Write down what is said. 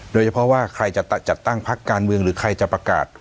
โดยเฉพาะว่าใครจะจัดตั้งพักการเมืองหรือใครจะประกาศ